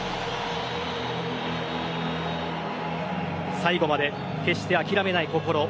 最後まで決して諦めない心。